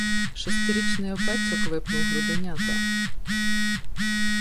Шестирічний опецьок випнув груденята: